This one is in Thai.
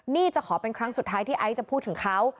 นี่จะขอเป็นครั้งสุดท้ายที่ไอซ์จะพูดถึงเขา